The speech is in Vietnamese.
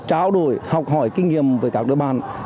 trao đổi học hỏi kinh nghiệm với các đối bàn